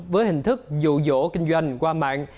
với hình thức dụ dỗ kinh doanh qua mạng